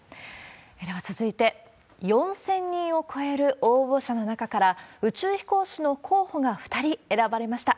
では続いて、４０００人を超える応募者の中から、宇宙飛行士の候補が２人選ばれました。